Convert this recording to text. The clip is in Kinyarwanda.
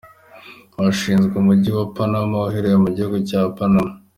Hashinzwe Umujyi wa Panama, uherereye mu gihugu cya Panama.